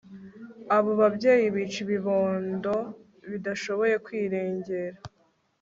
abo babyeyi bica ibibondo bidashoboye kwirengera